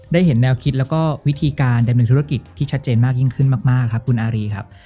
เห็นแนวคิดแล้วก็วิธีการดำเนินธุรกิจที่ชัดเจนมากยิ่งขึ้นมากครับคุณอารีครับ